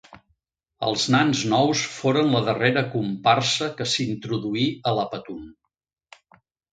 Els Nans Nous foren la darrera comparsa que s'introduí a La Patum.